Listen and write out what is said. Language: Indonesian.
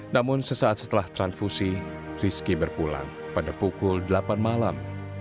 namun sesaat setelah transfusi rizky berpulang pada pukul delapan malam